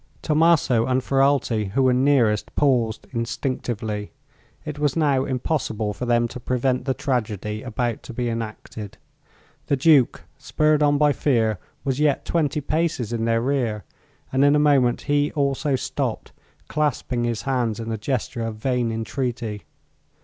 Tommaso and Ferralti, who were nearest, paused instinctively. It was now impossible for them to prevent the tragedy about to be enacted. The Duke, spurred on by fear, was yet twenty paces in their rear, and in a moment he also stopped, clasping his hands in a gesture of vain entreaty.